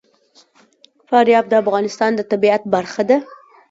فاریاب د افغانستان د طبیعت برخه ده.